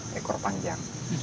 jadi monyet ekor panjang